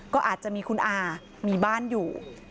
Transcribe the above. ก็อาจจะมีคุณอามีบ้านอยู่